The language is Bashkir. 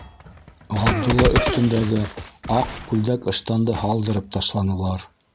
Ғабдулла өҫтөндәге аҡ күлдәк-ыштанды һалдырып ташланылар.